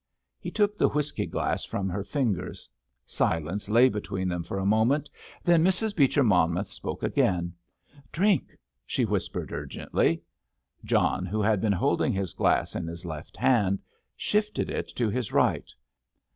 He took the whisky glass from her fingers. Silence lay between them for a moment, then Mrs. Beecher Monmouth spoke again. "Drink," she whispered urgently. John, who had been holding his glass in his left hand, shifted it to his right.